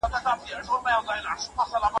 دا منظومه به مو د باباغره